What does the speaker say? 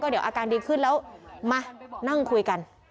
เดี๋ยวอาการดีขึ้นแล้วมานั่งคุยกัน